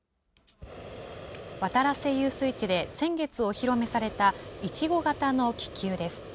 渡良瀬遊水地で先月お披露目されたいちご型の気球です。